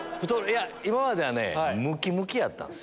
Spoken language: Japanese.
今まで「ムキムキ」やったんです。